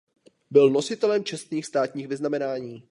Byl nositelem četných státních vyznamenání.